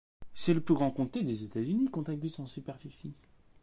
C'est le plus grand comté des États-Unis contigus en superficie.